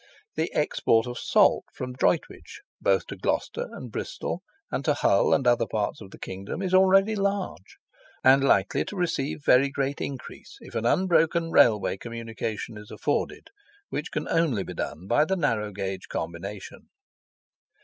The export of salt from Droitwich, both to Gloucester and Bristol, and to Hull and other parts of the kingdom, is already large, and likely to receive very great increase, if an unbroken Railway communication is afforded, which can only be done by the narrow gauge combination.